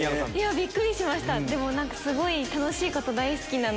びっくりしました。